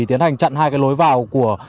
tiến hành chặn hai cái lối vào